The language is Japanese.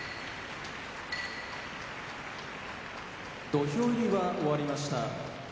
土俵入りが終わりました。